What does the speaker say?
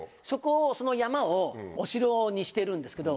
その山をお城にしているんですけど。